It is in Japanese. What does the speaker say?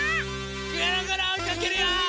ぐるぐるおいかけるよ！